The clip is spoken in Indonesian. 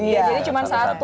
jadi cuma satu